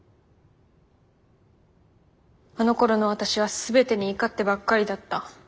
あのころの私は全てに怒ってばっかりだった。